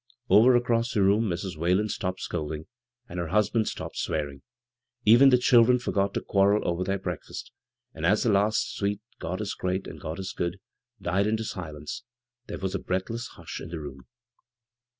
Over across the room Mrs. Whalen stopped scolding, and her husband stopped swearing. Even the children forgot to quar rel over their breakfast ; and as the last sweet " God is great, and God is good " died into silence, there was a breathless hush in the room.